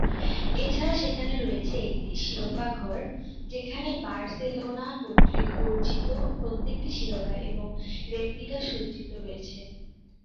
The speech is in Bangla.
এছাড়া সেখানে রয়েছে একটি শিরোপা-ঘর, যেখানে বার্সেলোনা কর্তৃক অর্জিত প্রত্যেকটি শিরোপা এবং রেপ্লিকা সজ্জিত রয়েছে।